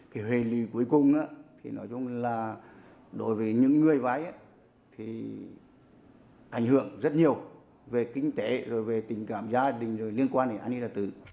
kỷ huy cuối cùng nói chung là đối với những người vay thì ảnh hưởng rất nhiều về kinh tế về tình cảm gia đình liên quan đến anh ấy là tử